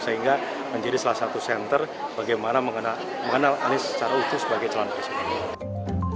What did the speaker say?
sehingga menjadi salah satu center bagaimana mengenal anies secara utuh sebagai calon presiden